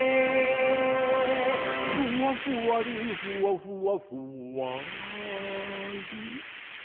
「ふわふわりふわふわふわり」